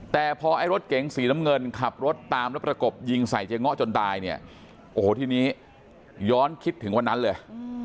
แต่พอไอ้รถเก๋งสีน้ำเงินขับรถตามแล้วประกบยิงใส่เจ๊ง้อจนตายเนี่ยโอ้โหทีนี้ย้อนคิดถึงวันนั้นเลย